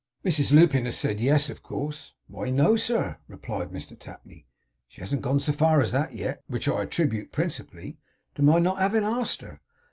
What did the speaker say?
Mrs Lupin has said "yes," of course?' 'Why, no, sir,' replied Mr Tapley; 'she hasn't gone so far as that yet. Which I attribute principally to my not havin' asked her.